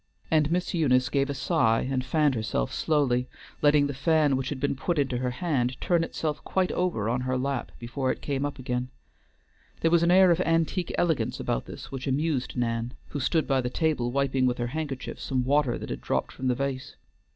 And Miss Eunice gave a sigh, and fanned herself slowly, letting the fan which had been put into her hand turn itself quite over on her lap before it came up again. There was an air of antique elegance about this which amused Nan, who stood by the table wiping with her handkerchief some water that had dropped from the vase.